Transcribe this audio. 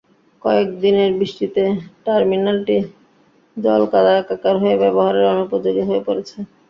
কয়েক দিনের বৃষ্টিতে টার্মিনালটি জলকাদায় একাকার হয়ে ব্যবহারের অনুপযোগী হয়ে পড়েছে।